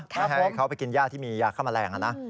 ไม่ให้เขาไปกินย่าที่มียาฆ่าแมลงนะ